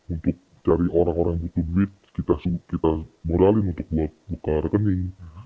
untuk cari orang orang yang butuh duit kita modalin untuk buka rekening